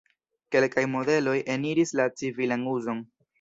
Kelkaj modeloj eniris la civilan uzon.